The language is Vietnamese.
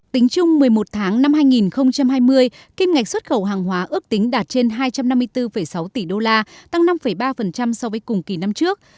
tính chung một mươi một tháng năm hai nghìn hai mươi kim ngạch xuất khẩu hàng hóa ước tính đạt trên hai trăm năm mươi bốn sáu tỷ đô la tăng năm ba so với cùng kỳ năm trước